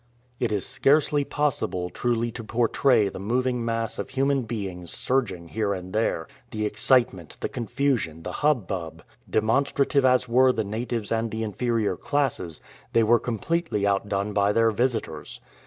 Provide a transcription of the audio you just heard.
It is scarcely possible truly to portray the moving mass of human beings surging here and there, the excitement, the confusion, the hubbub; demonstrative as were the natives and the inferior classes, they were completely outdone by their visitors.